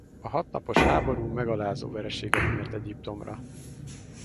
A hatnapos háború megalázó vereséget mért Egyiptomra.